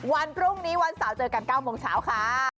วันพรุ่งนี้วันเสาร์เจอกัน๙โมงเช้าค่ะ